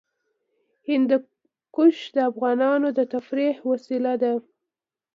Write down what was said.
هندوکش د افغانانو د تفریح وسیله ده.